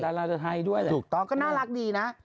ดาราไทยด้วยสูงตอบก็น่ารักดีนะ